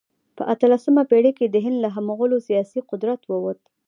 په اتلسمه پېړۍ کې د هند له مغولو سیاسي قدرت ووت.